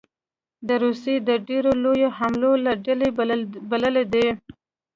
د روسیې د ډېرو لویو حملو له ډلې بللې ده